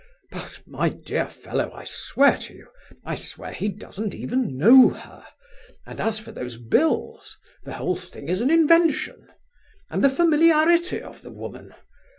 But, my dear fellow, I swear to you, I swear he doesn't even know her, and as for those bills, why, the whole thing is an invention! And the familiarity of the woman!